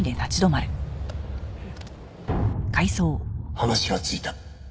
話がついた。